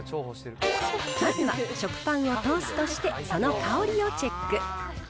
まずは食パンをトーストして、その香りをチェック。